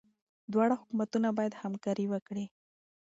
دواړه حکومتونه باید همکاري وکړي.